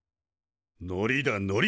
のりだのり！